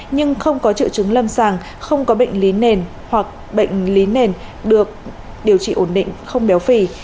nhưng không có triệu chứng lâm sàng không có bệnh lý nền hoặc bệnh lý nền được điều trị ổn định không béo phì